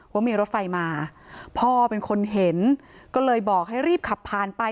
ว่ามีรถไฟมาพ่อเป็นคนเห็นก็เลยบอกให้รีบขับผ่านไป